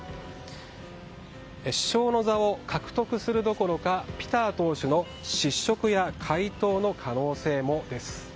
首相の座を獲得するどころかピター党首の失職や解党の可能性もです。